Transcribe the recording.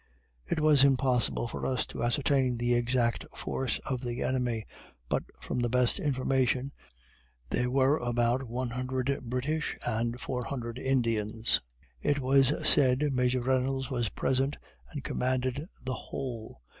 It was impossible for us to ascertain the exact force of the enemy; but from the best information, there were about one hundred British and four hundred Indians. It was said Major Reynolds was present and commanded the whole.